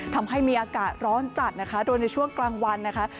ทำให้มีอากาศร้อนจัดนะคะโดยในช่วงกลางวันนะคะ